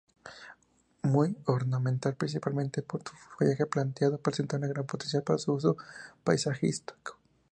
Muy ornamental, principalmente por su follaje plateado, presenta gran potencial para su uso paisajístico.